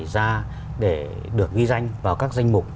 ra để được ghi danh vào các danh mục